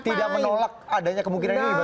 tidak menolak adanya kemungkinan ini